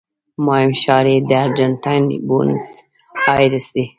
مهم ښار یې د ارجنټاین بونس ایرس دی.